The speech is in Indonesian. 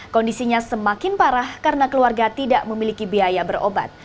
kondisinya semakin parah karena keluarga tidak memiliki biaya berobat